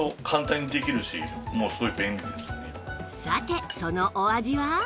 さてそのお味は？